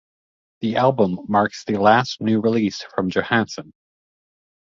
The album marks the last new release with Johansson.